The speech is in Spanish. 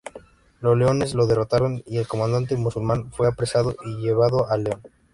Los leoneses lo derrotaron y el comandante musulmán fue apresado y llevado a León.